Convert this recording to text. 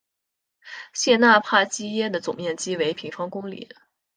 谢讷帕基耶的总面积为平方公里。